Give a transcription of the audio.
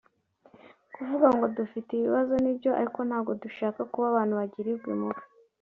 kuvuga ngo dufite ibibazo ni byo ariko ntabwo dushaka kuba abantu bagirirwa impuhwe